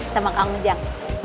sama kamu jak